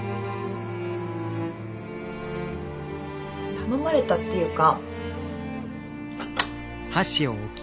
頼まれたっていうか。